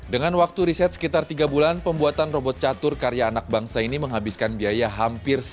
dengan waktu riset sekitar tiga bulan pembuatan robot catur karya anak bangsa ini menghabiskan biaya hampir